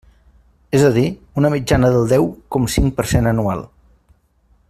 És a dir, una mitjana del deu com cinc per cent anual.